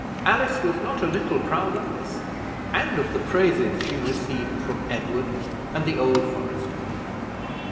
Alice was not a little proud of this, and of the praises she received from Edward and the old forester.